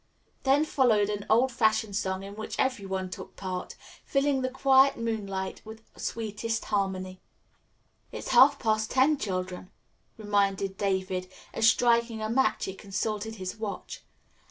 Then followed an old fashioned song in which every one took part, filling the quiet moonlit night with sweetest harmony. "It's half past ten, children," reminded David, as striking a match he consulted his watch.